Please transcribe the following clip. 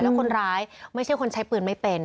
แล้วคนร้ายไม่ใช่คนใช้ปืนไม่เป็น